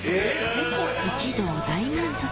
一同大満足！